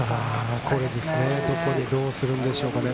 どこでどうするんでしょうかね。